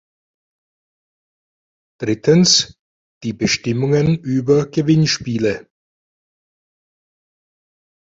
Drittens die Bestimmungen über Gewinnspiele.